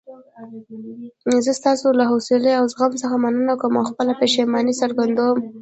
زه ستاسو له حوصلې او زغم څخه مننه کوم او خپله پښیماني څرګندوم.